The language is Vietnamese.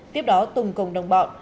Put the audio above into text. tiếp đó tùng công đồng bọn